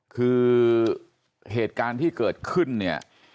คือเหตุการณ์ที่เกิดขึ้นเนี่ย